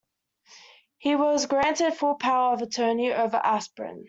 He was granted full power of attorney over Aspirin.